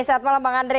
selamat malam bang andre